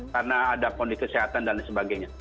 karena ada kondisi kesehatan dan sebagainya